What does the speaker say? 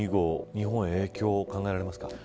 日本への影響は考えられますか。